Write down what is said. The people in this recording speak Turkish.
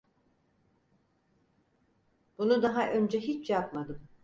Bunu daha önce hiç yapmadım.